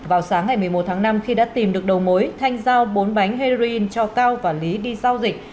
vào sáng ngày một mươi một tháng năm khi đã tìm được đầu mối thanh giao bốn bánh heroin cho cao và lý đi giao dịch